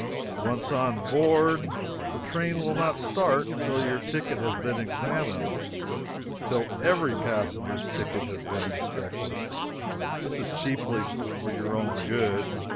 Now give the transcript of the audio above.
Once on board, the train will not start till your ticket has been examined till every passenger's ticket has been inspected. This is chiefly for your own good.